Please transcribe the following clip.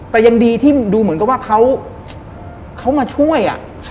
แต่ยังดีที่ดูเหมือนกับว่าเขามาช่วย